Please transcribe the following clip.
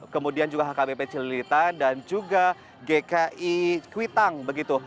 kemudian juga hkbp cililita dan juga gki kuitang begitu